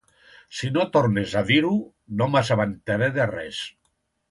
Si no tornes a dir-ho, no m'assabentaré de res.